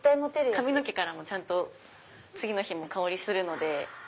髪の毛からもちゃんと次の日も香りするので。